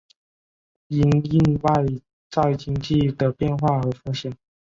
因应外在经济的变化和风险